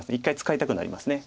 １回使いたくなります。